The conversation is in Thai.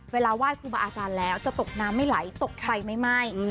ไหว้ครูบาอาจารย์แล้วจะตกน้ำไม่ไหลตกไฟไม่ไหม้